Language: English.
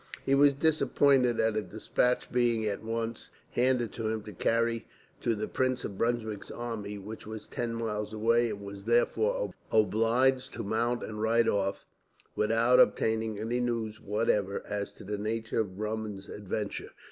He was disappointed at a despatch being at once handed to him to carry to the Prince of Brunswick's army, which was ten miles away; and was therefore obliged to mount and ride off, without obtaining any news whatever as to the nature of Drummond's adventure.